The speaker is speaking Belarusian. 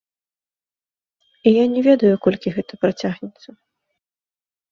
І я не ведаю, колькі гэта працягнецца.